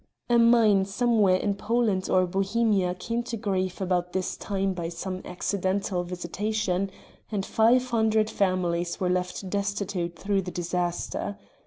A mine somewhere in Poland or Bohemia came to grief about this time by some accidental visitation, and five hundred families were left destitute through the disaster.